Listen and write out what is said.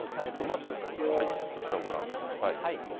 ちょっとまずこちらご覧ください。